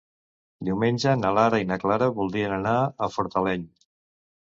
Diumenge na Lara i na Clara voldrien anar a Fortaleny.